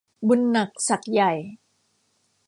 บุญหนักศักดิ์ใหญ่